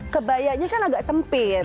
kebayangnya kan agak sempit